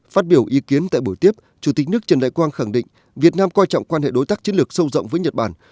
phát biểu ý kiến tại buổi tiếp chủ tịch nước trần đại quang khẳng định việt nam coi trọng quan hệ đối tác chiến lược sâu rộng với nhật bản